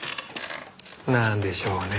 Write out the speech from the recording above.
なんでしょうね？